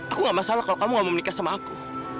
aku gak masalah kalau kamu gak mau menikah sama aku